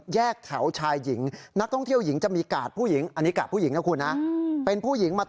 แยกแถวชายหญิงนักท่องเที่ยวหญิงจะมีกาดผู้หญิง